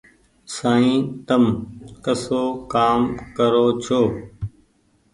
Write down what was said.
سائين تم ڪسو ڪآم ڪرو ڇو ۔